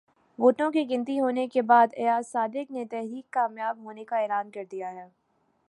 ووٹوں کی گنتی ہونے کے بعد ایاز صادق نے تحریک کامیاب ہونے کا اعلان کر دیا ہے